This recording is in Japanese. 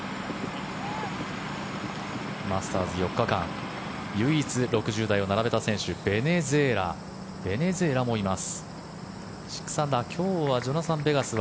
マスターズ４日間唯一６０台を並べた選手ベネズエラもいます。